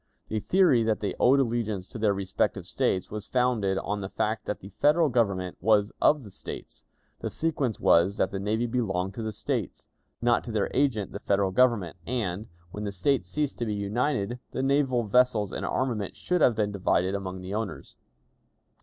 The theory that they owed allegiance to their respective States was founded on the fact that the Federal Government was of the States; the sequence was, that the navy belonged to the States, not to their agent the Federal Government; and, when the States ceased to be united, the naval vessels and armament should have been divided among the owners.